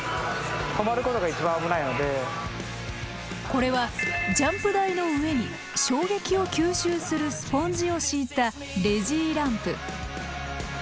これはジャンプ台の上に衝撃を吸収するスポンジを敷いたレジーランプ。